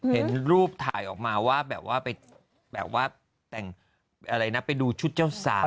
เห็นรูปถ่ายออกมาว่าแบบว่าไปกระดับชุดเจ้าสาว